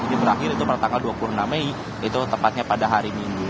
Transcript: jadi berakhir itu pada tanggal dua puluh enam mei itu tepatnya pada hari minggu